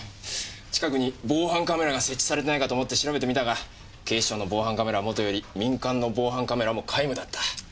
近くに防犯カメラが設置されてないかと思って調べてみたが警視庁の防犯カメラはもとより民間の防犯カメラも皆無だった。